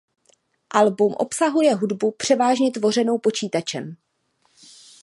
Album obsahuje hudbu převážně tvořenou počítačem.